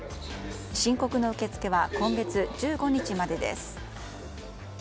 申告の受け付けは今月１５日までです。